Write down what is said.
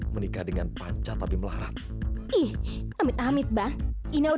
woy jangan lari lari